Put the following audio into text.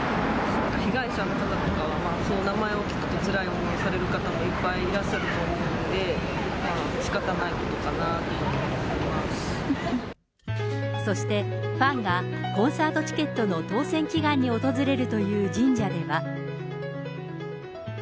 被害者の方とかはその名前を聞くとつらい思いをされる方もいっぱいいらっしゃると思うので、そして、ファンがコンサートチケットの当せん祈願に訪れるという神社では。